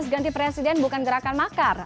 jadi presiden bukan gerakan makar